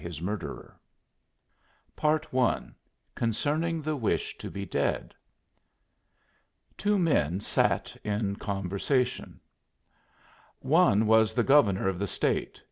AN AFFAIR OF OUTPOSTS I CONCERNING THE WISH TO BE DEAD Two men sat in conversation. One was the Governor of the State.